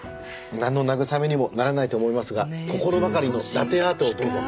なんの慰めにもならないと思いますが心ばかりのラテアートをどうぞ。